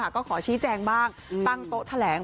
ก็ขอชี้แจงบ้างตั้งโต๊ะแถลง